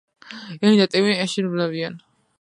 ენი და ტიმი შინ ბრუნდებიან.